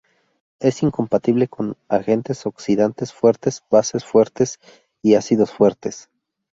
Es incompatible con agentes oxidantes fuertes, bases fuertes y ácidos fuertes.